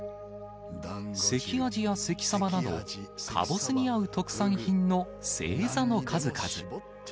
関あじや関さばなど、かぼすに合う特産品の星座の数々。